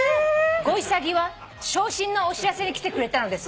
「ゴイサギは昇進のお知らせに来てくれたのです」